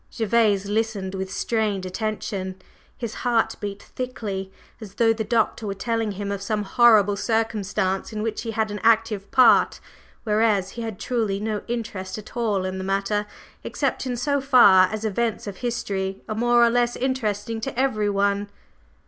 Gervase listened with strained attention, his heart beat thickly, as though the Doctor were telling him of some horrible circumstance in which he had an active part; whereas he had truly no interest at all in the matter, except in so far as events of history are more or less interesting to everyone.